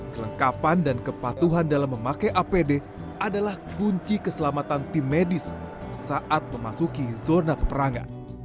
kelengkapan dan kepatuhan dalam memakai apd adalah kunci keselamatan tim medis saat memasuki zona peperangan